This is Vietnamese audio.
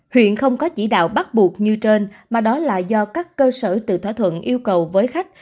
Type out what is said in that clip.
huyện không có chỉ đạo bắt buộc như trên mà đó là do các cơ sở tự thỏa thuận yêu cầu với khách